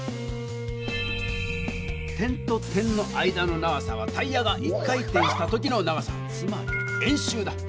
点と点の間の長さはタイヤが１回転した時の長さつまり円周だ！